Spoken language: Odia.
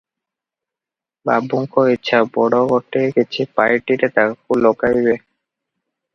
ବାବୁଙ୍କ ଇଚ୍ଛା, ବଡ଼ ଗୋଟାଏ କିଛି ପାଇଟିରେ ତାକୁ ଲଗାଇବେ ।